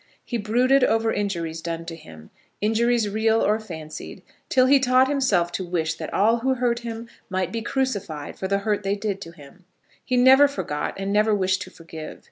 He brooded over injuries done to him, injuries real or fancied, till he taught himself to wish that all who hurt him might be crucified for the hurt they did to him. He never forgot, and never wished to forgive.